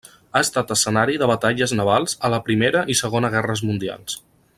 Ha estat escenari de batalles navals a la Primera i Segona guerres mundials.